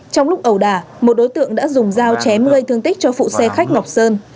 trong lúc ẩu đà một đối tượng đã dùng dao chém gây thương tích cho phụ xe khách ngọc sơn